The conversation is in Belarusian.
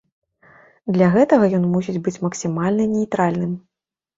Для гэтага ён мусіць быць максімальна нейтральным.